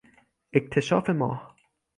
اکتشاف ماه